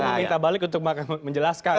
justru minta balik untuk menjelaskan